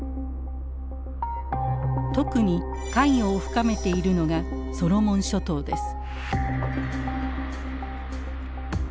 特に関与を深めているのがソロモン諸島です。